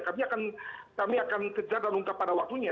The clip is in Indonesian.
kami akan kejar dan ungkap pada waktunya